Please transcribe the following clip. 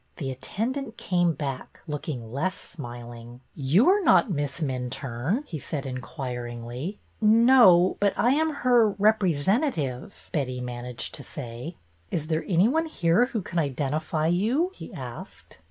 The attendant came back, looking less smiling. ''You are not Miss Minturne?" he said, inquiringly. " No, but I am her — representative," Betty managed to say. " Is there any one here who can identify you? " he asked.